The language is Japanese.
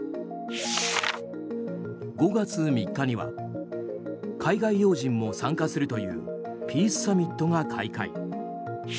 ５月３日には海外要人も参加するというピースサミットが開会。